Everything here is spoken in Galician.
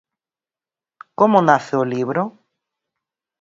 Como nace o libro?